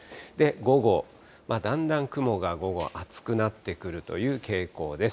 午後、だんだん雲が午後、厚くなってくるという傾向です。